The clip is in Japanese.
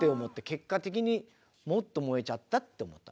結果的にもっと燃えちゃったって思ったんです。